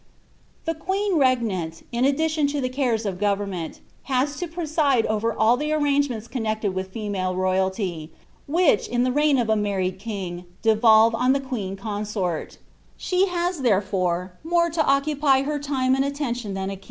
The queen recrnant, in addition to the cares of government, has to preside over all the arrangements connected with female loyalty, which, in the reign of a married king, devolve on the queen consort ; she has, therefore, more to occupy her time and attention than a kmg.